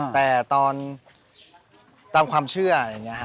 แต่ตอนตามความเชื่ออย่างนี้ฮะ